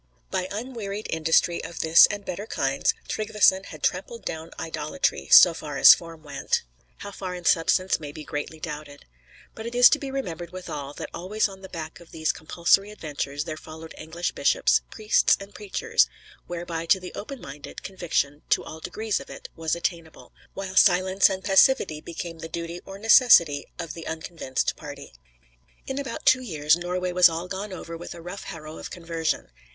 By unwearied industry of this and better kinds, Tryggveson had trampled down idolatry, so far as form went, how far in substance may be greatly doubted. But it is to be remembered withal, that always on the back of these compulsory adventures there followed English bishops, priests, and preachers; whereby to the open minded, conviction, to all degrees of it, was attainable, while silence and passivity became the duty or necessity of the unconvinced party. In about two years Norway was all gone over with a rough harrow of conversion.